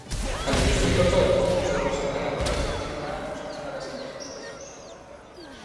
Cando llo explico todo, un sorriso adiado máis de oitenta anos instálaselle nos ollos.